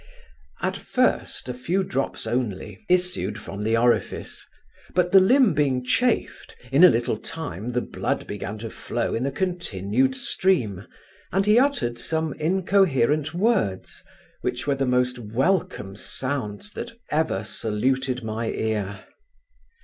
At first a few drops only issued from the orifice, but the limb being chafed, in a little time the blood began to flow in a continued stream, and he uttered some incoherent words, which were the most welcome sounds that ever saluted my ear.